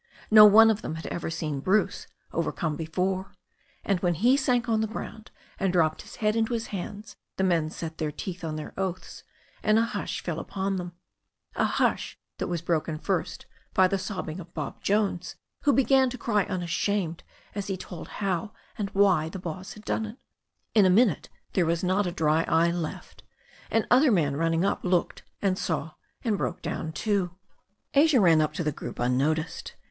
No one of them had ever seen Bruce overcome before, and when he sank on the ground and dropped his head into his hands the men set their teeth on their oaths, and a hush fell upon them, a hush that was broken first by the sobbing of Bob Jones, who began to cry unashamed as he told how and why the boss had done it. In a minute there was not a dry eye left, and other men running up looked and saw and broke down too. Asia ran up to the group unnoticed.